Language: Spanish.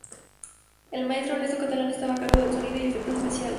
El maestro Ernesto Catalán estaba a cargo del sonido y efectos especiales.